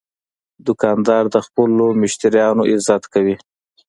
دوکاندار د خپلو مشتریانو عزت کوي.